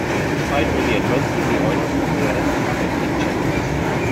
Despite all the adversity the Oilers won the Adams Cup as league champions.